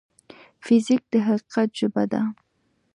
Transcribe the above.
فزیک د حقیقت ژبه ده.